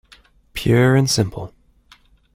Pure and simple.